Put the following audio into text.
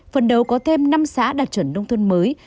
phần đầu có thêm năm xã đạt chuẩn nông thôn mới